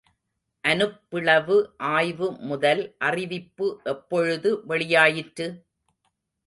அனுப்பிளவு ஆய்வு முதல் அறிவிப்பு எப்பொழுது வெளியாயிற்று?